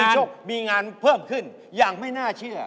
เพราะว่ารายการหาคู่ของเราเป็นรายการแรกนะครับ